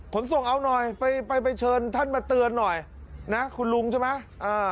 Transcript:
ขนส่งเอาหน่อยไปไปเชิญท่านมาเตือนหน่อยนะคุณลุงใช่ไหม